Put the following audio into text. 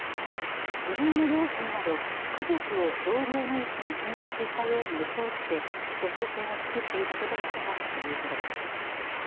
自分の両親など、家族を同僚の医師が診察したように装って処方箋を作っていたことが分かったということです。